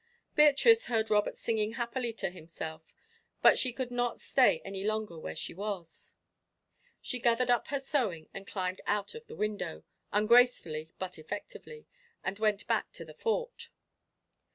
Beatrice heard Robert singing happily to himself, but she could not stay any longer where she was. She gathered up her sewing and climbed out of the window, ungracefully but effectively, and went back to the Fort.